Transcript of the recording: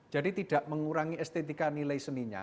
tidak mengurangi estetika nilai seninya